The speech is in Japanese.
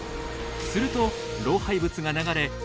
すると老廃物が流れ